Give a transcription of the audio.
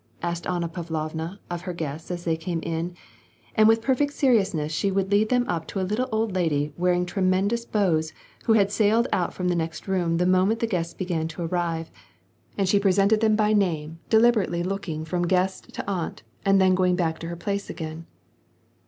asked Anna Pavlovna of her guests, as they came in, and with perfect seriousness she would lead them up to a ^ittle old lady wearing tremendous bows, who had sailed out irom the next room the moment the guests began to arrive, md she presented them by name, deliberately looking from ^est to aunt, and then going back to her place again.